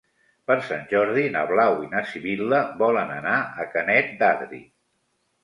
Per Sant Jordi na Blau i na Sibil·la volen anar a Canet d'Adri.